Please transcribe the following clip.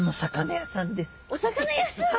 お魚屋さんか！